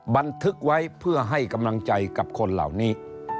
บันทึกไว้เพื่อให้กำลังใจกับคนเหล่านี้